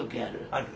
ある？